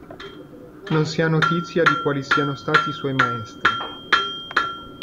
Non si ha notizia di quali siano stati i suoi maestri.